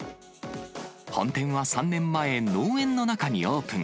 本店は３年前、農園の中にオープン。